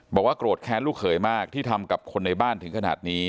บอกว่าโกรธแค้นลูกเขยมากที่ทำกับคนในบ้านถึงขนาดนี้